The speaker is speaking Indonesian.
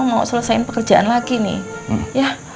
aku mau selesain pekerjaan lagi nih